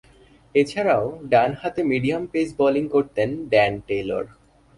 এছাড়াও, ডানহাতে medium pace bowling করতেন ড্যান টেলর।